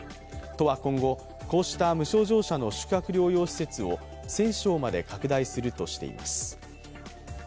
都は今後、こうした無症状者の宿泊療養施設を１０００床まで拡大するとしています。